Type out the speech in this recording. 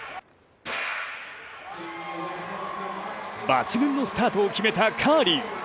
抜群のスタートを決めたカーリー。